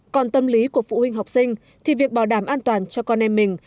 còn tâm lý của phụ huynh học sinh thì việc bảo đảm an toàn cho con em mình